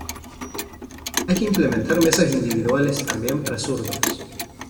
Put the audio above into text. Hay que implementar mesas individuales también para zurdos.